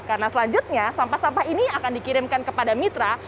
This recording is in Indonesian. karena selanjutnya sampah sampah ini akan dikirimkan kepada mitra